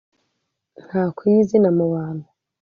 ntakwiye izina mu bantu,